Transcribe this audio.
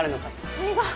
違う！